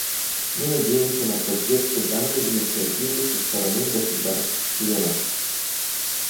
Мы надеемся на поддержку данной инициативы со стороны государств-членов.